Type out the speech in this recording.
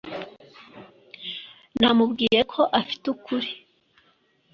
namubwiye ko afite ukuri